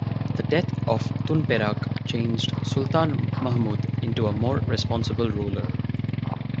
The death of Tun Perak changed Sultan Mahmud into a more responsible ruler.